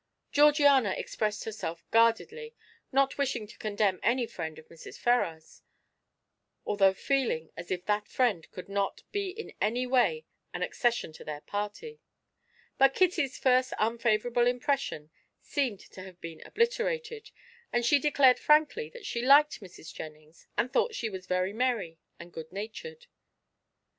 Georgiana expressed herself guardedly, not wishing to condemn any friend of Mrs. Ferrars's, although feeling as if that friend could not be in any way an accession to their party; but Kitty's first unfavorable impression seemed to have been obliterated, and she declared frankly that she liked Mrs. Jennings and thought she was very merry and good natured.